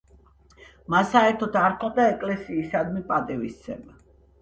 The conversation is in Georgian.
მას საერთოდ არ ჰქონდა ეკლესიისადმი პატივისცემა.